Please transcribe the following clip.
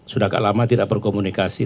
sudah agak lama tidak berkomunikasi